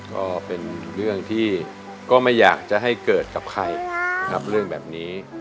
ก็เป็นเรื่องที่ก็ไม่อยากจะให้เกิดกับใครนะครับเรื่องแบบนี้